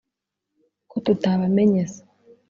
« Ko tutabamenye se? »